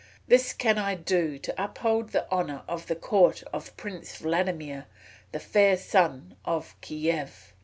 This can I do to uphold the honour of the court of Prince Vladimir, the Fair Sun of Kiev."